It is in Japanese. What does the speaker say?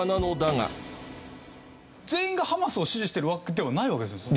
全員がハマスを支持してるわけではないわけですよね？